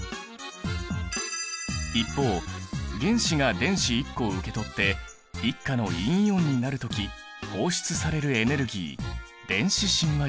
一方原子が電子１個を受け取って１価の陰イオンになる時放出されるエネルギー電子親和力。